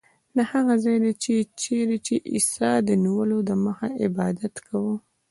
دا هغه ځای دی چیرې چې عیسی د نیولو دمخه عبادت کاوه.